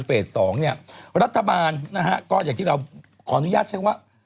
สองเนี่ยรัฐบาลนะฮะก็อย่างที่เราขออนุญาตใช้ว่า